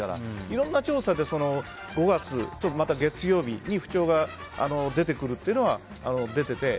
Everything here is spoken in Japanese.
いろんな調査で、５月と月曜日に不調が出てくるというのは出ていて。